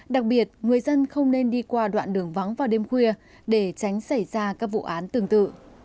đặc biệt người dân không nên đi qua đoạn đường vắng vào đêm khuya để tránh xảy ra các vụ án tương tự